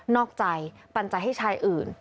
อกใจปัญญาให้ชายอื่น